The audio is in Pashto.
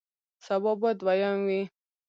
سبا به دویم وی